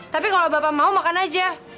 tapi kalau bapak mau makan aja